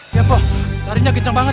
iya pok tarinya kenceng banget